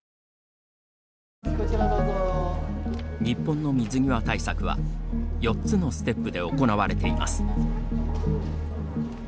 日本の水際対策は４つのステップで行われています。